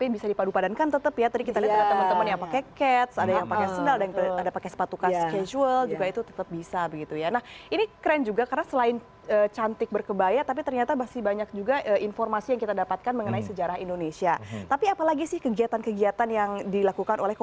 baik terima kasih